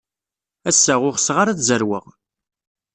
Ass-a, ur ɣseɣ ara ad zerweɣ.